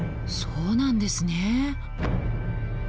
そうなんですね。